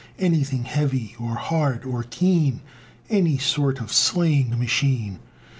Anything heavy, or hard, or keen! Any sort of slaying machine!